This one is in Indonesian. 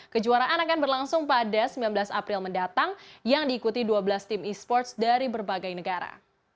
kejuaraan akan berlangsung pada sembilan belas april mendatang yang diikuti dua belas tim e sports dari berbagai negara